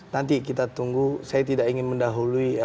nanti kita tunggu saya tidak ingin mendahului